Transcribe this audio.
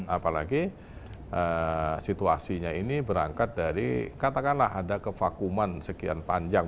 apalagi situasinya ini berangkat dari katakanlah ada kevakuman sekian panjang